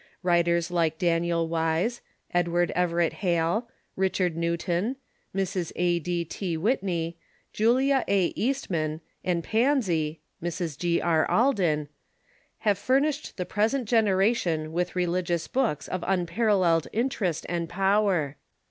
Writers like Daniel Wise, Edward Everett Hale, Richard Newton, Mrs. A. D. T. Whitney, Julia A. Eastman, and Pansy (Mrs. G. R. Alden), have furnished the present generation with religious books of unparalleled interest and power.